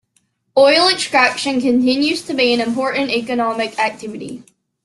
Oil extraction continues to be an important economic activity.